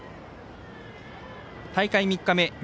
大会３日目。